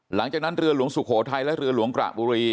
หลังจากนั้นเรือหลวงสุโขทัยและเรือหลวงกระบุรี